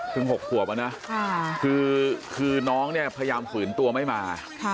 ๖ขวบอะนะคือน้องเนี่ยพยายามฝืนตัวไม่มา